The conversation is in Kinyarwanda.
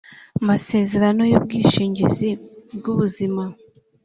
masezerano y ubwishingizi bw ubuzima